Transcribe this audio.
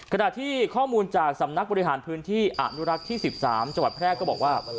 ขณะที่ข้อมูลจากสำนักบริหารพื้นที่อนุรักษ์ที่๑๓จังหวัดแพร่ก็บอกว่า